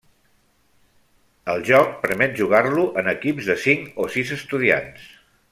El joc permet jugar-lo en equips de cinc o sis estudiants.